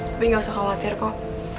tapi gak usah khawatir kok